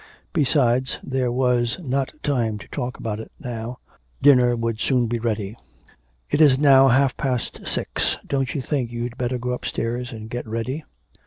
Besides, there was not time to talk about it now, dinner would soon be ready. 'It is now half past six, don't you think you'd better go upstairs and get ready?'